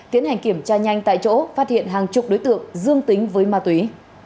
tiến hành kiểm tra nhanh tại chỗ phát hiện hàng chục đối tượng dương tính với ma túy